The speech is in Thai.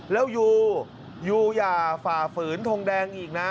แล้วยูยูอย่าฝ่าฝืนทงแดงอีกนะ